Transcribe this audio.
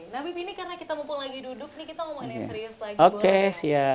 nabi ini karena kita mumpung lagi duduk nih kita ngomongin yang serius lagi boleh